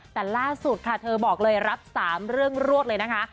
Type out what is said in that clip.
แต่ล่าสุดค่ะเธอบอกเลยรับ๓เรื่องรวดเลยนะคะ